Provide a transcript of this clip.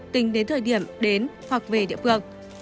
tính đến thời điểm đến hoặc về địa phương